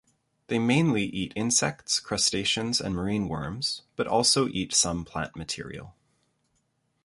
They mainly eat insects, crustaceans and marine worms, but also eat some plant material.